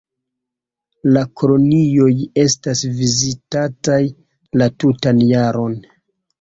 La kolonioj estas vizitataj la tutan jaron.